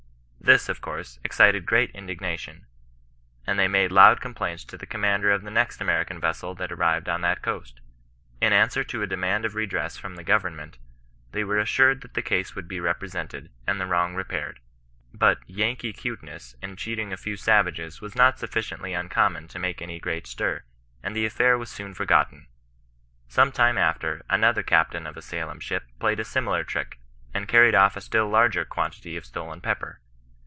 This, of course, excited great indignation, and they made loud complaints to the commander of the next American vessel that arrived on that coast. In answer to a demand of redress from the government, they were assured the case should be represented, and the yrrong repaired. But * Yankee cuteness' in cheating a few savages was not sufficiently uncommon to make ^^7 great stir, and the affair was soon foi^otten. Some time after, another captain of a Salem ship played a similar trick, and carried off a still larger quantity of stolen pepper.